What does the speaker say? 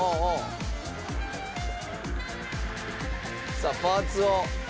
さあパーツを。